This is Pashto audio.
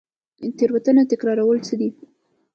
تیروتنه تکرارول څه دي؟